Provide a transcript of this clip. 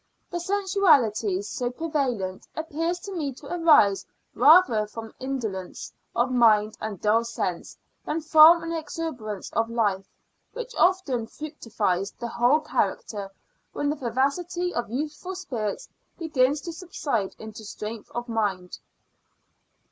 The sensuality so prevalent appears to me to arise rather from indolence of mind and dull senses, than from an exuberance of life, which often fructifies the whole character when the vivacity of youthful spirits begins to subside into strength of mind.